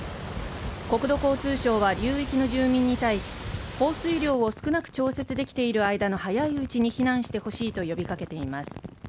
国土交通省は流域の住民に対し、放水量を少なく調節できている間の早いうちに避難してほしいと呼びかけています